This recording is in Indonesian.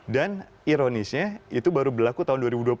dan ironisnya itu baru berlaku tahun dua ribu dua puluh